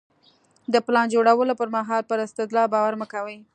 د پلان جوړولو پر مهال پر استدلال باور مه کوئ.